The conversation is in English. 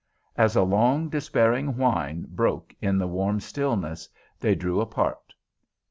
As a long, despairing whine broke in the warm stillness, they drew apart.